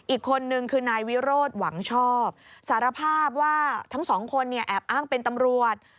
อีกคนนึงคือนายวิโรธหวังชอบสารภาพว่าทั้งสองคนเนี่ยแอบอ้างเป็นตำรวจ